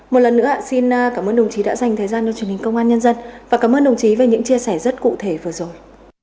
một lần nữa xin cảm ơn đồng chí đã dành thời gian cho truyền hình công an nhân dân và cảm ơn đồng chí về những chia sẻ rất cụ thể vừa rồi